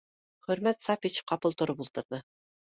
Хөрмәт Сафич ҡапыл тороп ултырҙы